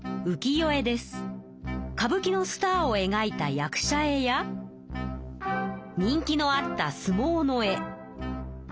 歌舞伎のスターを描いた役者絵や人気のあった相撲の絵。